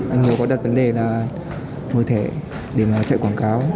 anh hiếu có đặt vấn đề là mở thẻ để mà chạy quảng cáo